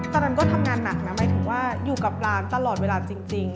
ตอนนั้นก็ทำงานหนักนะหมายถึงว่าอยู่กับร้านตลอดเวลาจริง